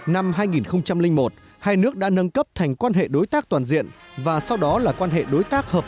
năm hai nghìn một hai nước đã nâng cấp thành quan hệ đối tác toàn diện và sau đó là quan hệ đối tác hợp